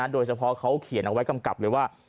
โดยเฉพาะเขาเขียนเอาไว้กำกับเลยว่า